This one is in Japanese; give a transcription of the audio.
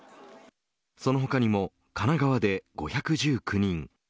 その他にも神奈川で５１９人。